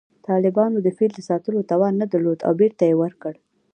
طالبانو د فیل د ساتلو توان نه درلود او بېرته یې ورکړ